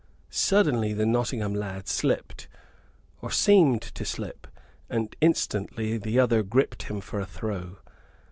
Suddenly the Nottingham lad slipped, or seemed to slip, and instantly the other gripped him for a throw.